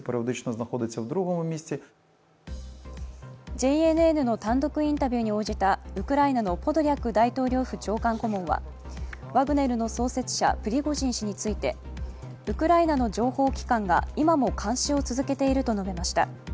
ＪＮＮの単独インタビューに応じたウクライナのポドリャク大統領府長官顧問はワグネルの創設者、プリゴジン氏についてウクライナの情報機関が今も監視を続けていると述べました。